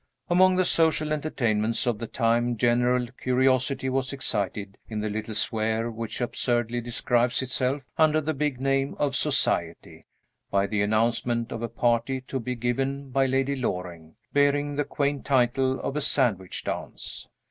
Among the social entertainments of the time, general curiosity was excited, in the little sphere which absurdly describes itself under the big name of Society, by the announcement of a party to be given by Lady Loring, bearing the quaint title of a Sandwich Dance.